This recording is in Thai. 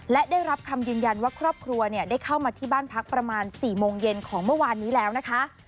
และได้รับคำยืนยันว่าครอบครัวได้เข้ามาที่บ้านพักประมาณ๔โมงเย็นของเมื่อวานนี้แล้วนะคะ